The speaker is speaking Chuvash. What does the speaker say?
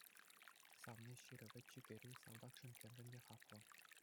Савни ҫырӑвӗ чикӗри салтакшӑн темрен те хаклӑ.